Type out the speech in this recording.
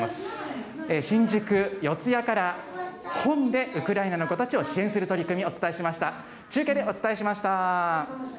新宿・四谷から、本でウクライナの子たちを支援する取り組み、お伝えしました。